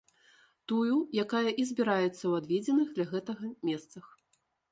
Тую, якая і збіраецца ў адведзеных для гэтага месцах.